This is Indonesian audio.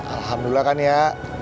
alhamdulillah kan ya